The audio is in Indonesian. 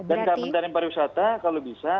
dan kementerian pariwisata kalau bisa